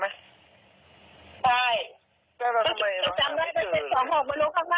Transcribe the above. เนี่ยเพื่อน